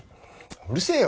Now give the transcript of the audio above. うるせえよ